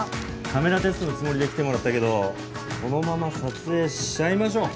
カメラテストのつもりで来てもらったけどこのまま撮影しちゃいましょう。